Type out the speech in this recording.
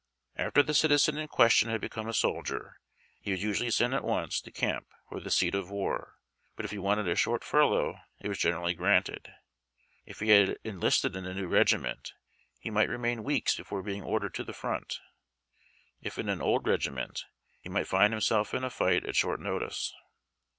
After the citizen in question had become a soldier, he was usually sent at once to camp or the seat of war, but if he wanted a short furlough it was generally granted. If he had enlisted in a new regiment, he might remain weeks before being ordered to the front ; if in an old regiment, he might find himself in a fight at short notice.